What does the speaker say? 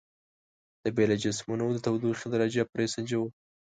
د بیلو جسمونو د تودوخې درجه پرې سنجوو.